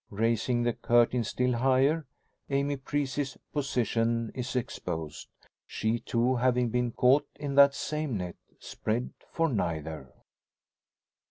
Raising the curtain still higher, Amy Preece's position is exposed; she, too, having been caught in that same net, spread for neither.